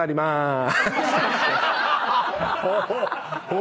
お！